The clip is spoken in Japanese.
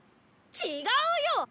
違うよ！